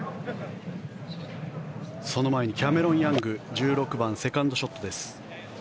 その前にキャメロン・ヤング１６番、セカンドショットです。